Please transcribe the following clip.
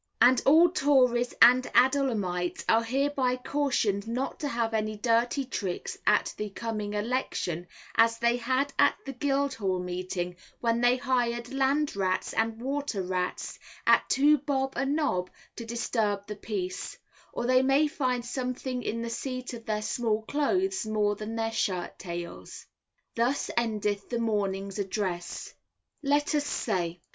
And all tories and adullamites are hereby cautioned not to have any dirty tricks, at the coming Election, as they had at the Guildhall Meeting, when they hired land rats and water rats at two bob a nob to disturb the peace, or they may find something in the seat of their small clothes more than their shirt tails. Thus endeth the morning's address. LET US SAY.